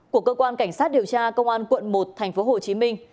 của cơ quan cảnh sát điều tra công an quận một thành phố hồ chí minh